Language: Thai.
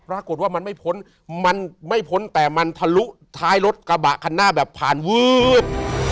ปรากฏว่ามันไม่พ้นมันไม่พ้นแต่มันทะลุท้ายรถกระบะคันหน้าแบบผ่านวืด